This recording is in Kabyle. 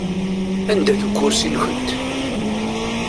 Anda-t ukursi-nkent?